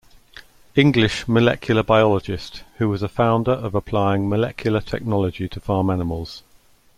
English molecular biologist who was a founder of applying molecular technology to farm animals.